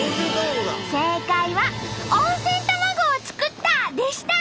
正解は「温泉卵を作った」でした！